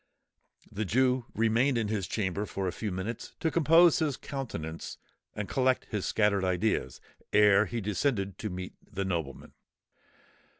The Jew remained in his chamber a few minutes to compose his countenance, and collect his scattered ideas, ere he descended to meet the nobleman.